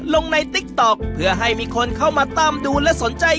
ลงในติ๊กต๊อกเพื่อให้มีคนเข้ามาตามดูและสนใจ